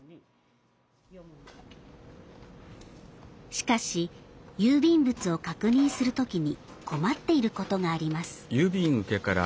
しかし、郵便物を確認するときに困っていることがあります。